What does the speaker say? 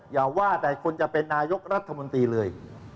อย่าว่าแต่คนจะเป็นนายกรัฐมนตรีเลย